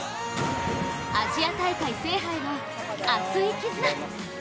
アジア大会制覇への熱い絆。